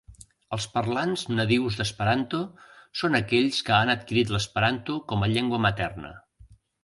Els parlants nadius d'esperanto són aquells que han adquirit l'Esperanto com a llengua materna.